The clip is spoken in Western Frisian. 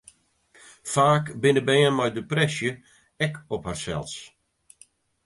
Faak binne bern mei depresje ek op harsels.